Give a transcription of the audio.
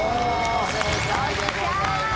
正解でございます。